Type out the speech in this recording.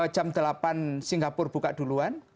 jam delapan singapura buka duluan